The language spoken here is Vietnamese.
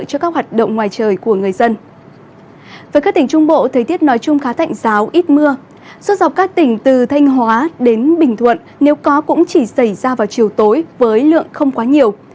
suốt dọc các tỉnh từ thanh hóa đến bình thuận nếu có cũng chỉ xảy ra vào chiều tối với lượng không quá nhiều